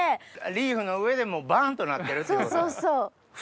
リーフの上でもバン！となってるっていう？